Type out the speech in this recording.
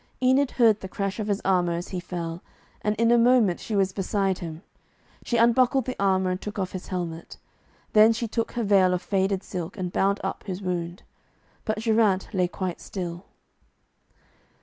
Enid heard the crash of his armour as he fell, and in a moment she was beside him. She unbuckled the armour and took off his helmet Then she took her veil of faded silk and bound up his wound. But Geraint lay quite still.